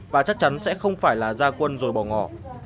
và chắc chắn sẽ không phải là gia quân rồi bỏ ngỏ